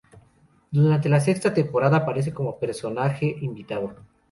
Durante la sexta temporada aparece como personaje invitado.